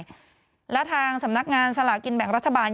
เวลาจำหน่ายและทางสำนักงานสลากกินแบ่งรัฐบาล